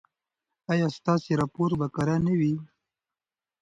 ایا ستاسو راپور به کره نه وي؟